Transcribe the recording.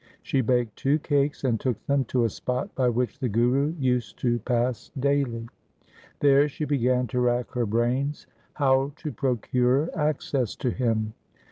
She baked two cakes and took them to a spot by which the Guru used to pass daily. There she began to rack her brains how to procure access to him.